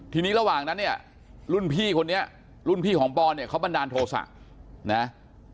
ทีนี้ระหว่างนั้นเนี่ยรุ่นพี่คนนี้รุ่นพี่ของปอนเนี่ยเขาบันดาลโทษะนะ